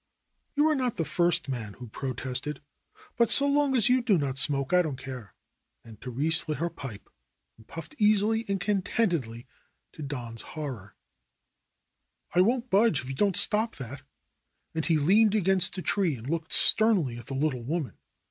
^Wou are not the first man who protested. But so long as you do not smoke I don't care," and Therese lit 16 THE ROSE COLORED WORLD her pipe and puffed easily and contentedly to Don's horror. won't budge if you don't stop that." And he leaned against a tree and looked sternly at the little woman.